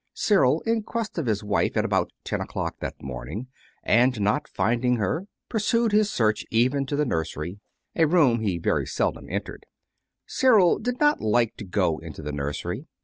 Cyril, in quest of his wife at about ten o'clock that morning, and not finding her, pursued his search even to the nursery a room he very seldom entered. Cyril did not like to go into the nursery.